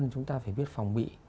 chúng ta phải biết phòng bị